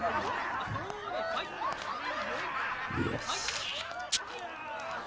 よし。